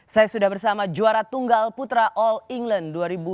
saya sudah bersama juara tunggal putra all england dua ribu dua puluh